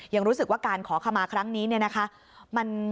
ยังรู้สึกว่าการขอขมาครั้งนี้เนี่ยนะคะ